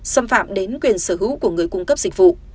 xâm phạm đến quyền sở hữu của người cung cấp dịch vụ